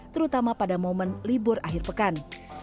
terutama pada momen libur akhir pekan